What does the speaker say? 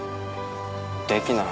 できない